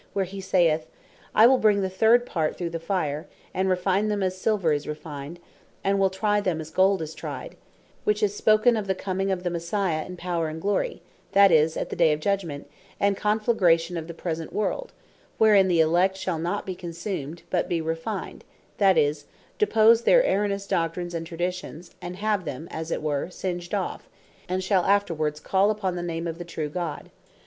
where he saith, "I will bring the third part through the Fire, and refine them as Silver is refined, and will try them as Gold is tryed;" Which is spoken of the comming of the Messiah in Power and Glory; that is, at the day of Judgment, and Conflagration of the present world; wherein the Elect shall not be consumed, but be refined; that is, depose their erroneous Doctrines, and Traditions, and have them as it were sindged off; and shall afterwards call upon the name of the true God.